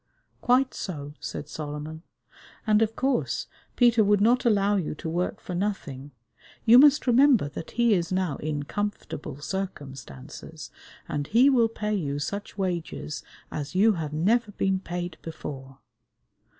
"Quite so," said Solomon, "and, of course, Peter would not allow you to work for nothing. You must remember that he is now in comfortable circumstances, and he will pay you such wages as you have never been paid before.